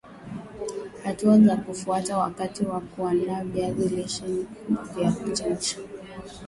Hatua za kufuata wakati wa kuaanda viazi lishe vya kuchemsha